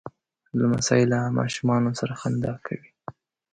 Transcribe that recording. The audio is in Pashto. لمسی له ماشومانو سره خندا کوي.